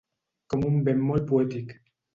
Com un vent molt poètic.